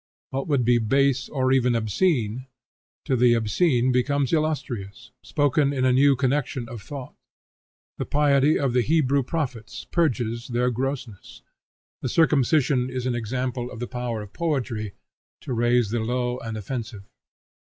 What would be base, or even obscene, to the obscene, becomes illustrious, spoken in a new connexion of thought. The piety of the Hebrew prophets purges their grossness. The circumcision is an example of the power of poetry to raise the low and offensive.